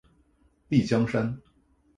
丽江杉